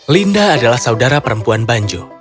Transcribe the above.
linda adalah saudara perempuan banjo